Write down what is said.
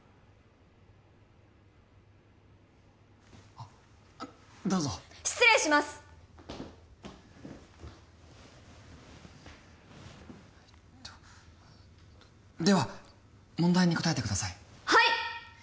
あっどうぞ失礼しますえっとえっとでは問題に答えてくださいはい！